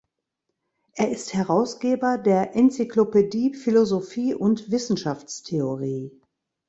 Er ist Herausgeber der "Enzyklopädie Philosophie und Wissenschaftstheorie".